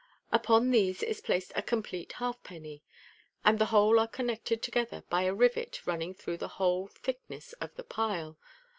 Upon these is placed a complete halfpenny, and the whole are connected together by a rivet running through the whole thick ness of the pile.